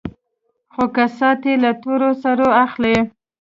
خو کسات يې له تور سرو اخلي.